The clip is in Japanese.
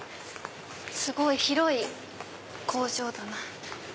すごい広い工場だな。